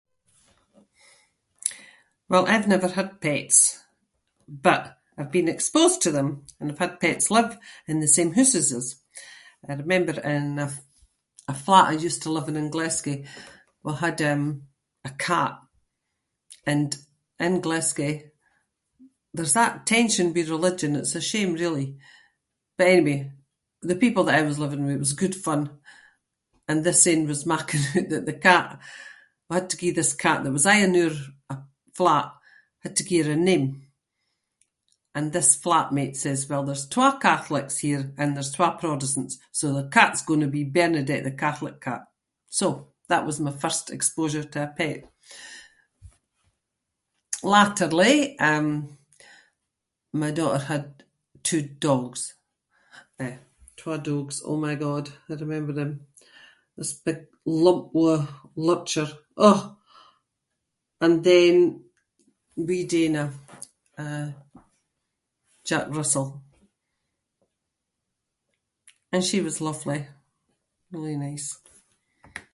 Well, I’ve never had pets but I’ve been exposed to them and I’ve had pets live in the same hoose as us. I remember in a f– a flat I used to live in in Glasgow we had, um, a cat and in Glasgow there’s that tension with religion- it’s a shame, really. But anyway, the people that I was living with- it was good fun and this ain was making oot that the cat- we had to gie this cat that was aie in oor a- flat- had to gie her a name, and this flatmate says “well there’s twa Catholics here and there’s twa Protestants, so the cat’s gonnae be Bernadette the Catholic cat”. So, that was my first exposure to a pet. Latterly, um, my daughter had two dogs, eh, twa dogs- oh my god, I remember them. This big lum- eh, Lurcher. Uh! And then wee Dana, a Jack Russell, and she was lovely. Really nice.